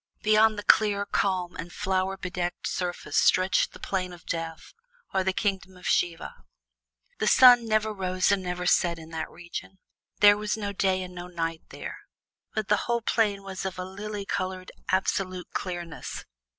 Beyond the clear, calm, and flower bedecked surface stretched the Plain of Death, or the Kingdom of Siva. The sun never rose and never set in that region; there was no day and no night there, but the whole plain was of a lily colored, absolute clearness.